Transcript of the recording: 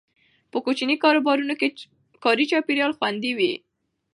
په کوچنیو کاروبارونو کې کاري چاپیریال خوندي وي.